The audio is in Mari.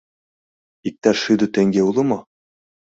Иктаж шӱдӧ теҥге уло мо?